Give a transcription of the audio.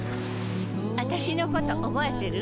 あたしのこと覚えてる？